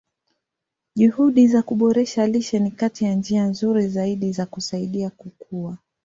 Juhudi za kuboresha lishe ni kati ya njia nzuri zaidi za kusaidia kukua.